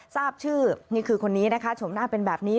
ทราบชื่อนี่คือคนนี้นะคะชมหน้าเป็นแบบนี้